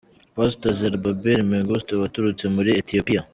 Pastor Zerubbabel Mengistu waturutse muri Etiyopiya.